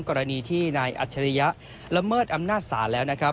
กรณีที่ที่นายอัชฌริยะละเมิดอำนาจศาลแล้ว